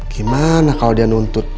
gimana kalau dia nuntut